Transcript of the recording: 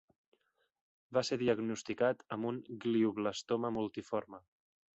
Va ser diagnosticat amb un glioblastoma multiforme.